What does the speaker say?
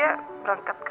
udah pulang ke rumah kamu